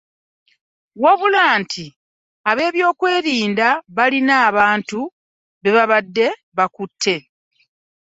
Wabula nti ab'ebyokwerinda balina abantu be babadde bakutte